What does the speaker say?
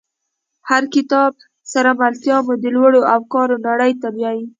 له کتاب سره ملتیا مو د لوړو افکارو نړۍ ته بیایي.